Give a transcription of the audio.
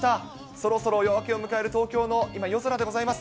そろそろ夜明けを迎える東京の今、夜空でございます。